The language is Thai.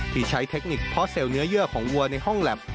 ที่ใช้เทคนิคเพราะเซลล์เนื้อเยื่อของวัวในห้องแล็บ